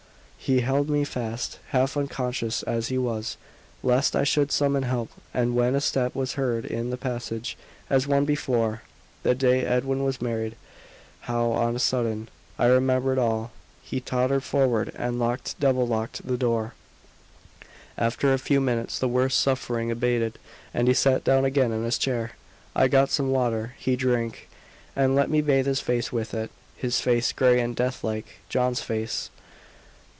He held me fast, half unconscious as he was, lest I should summon help; and when a step was heard in the passage, as once before the day Edwin was married how, on a sudden, I remembered all! he tottered forward and locked, double locked, the door. After a few minutes the worst suffering abated, and he sat down again in his chair. I got some water; he drank, and let me bathe his face with it his face, grey and death like John's face!